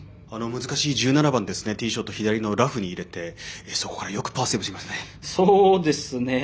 難しい１７番ティーショット左のラフに入れてそこからよくパーセーブしてきましたね。